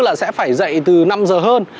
như là sẽ phải dậy từ năm giờ hơn